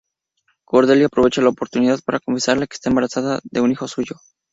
Cordelia aprovecha la oportunidad para confesarle que está embarazada de un hijo suyo.